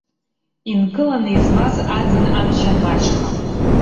Инкыланы измаз аӡын амч анмаҷха.